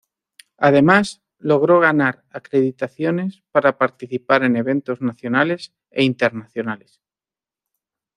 Además, logró ganar acreditaciones para participar en eventos nacionales e internacionales.